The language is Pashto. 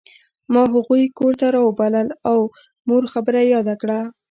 ما هغوی کور ته راوبلل او مور خبره یاده کړه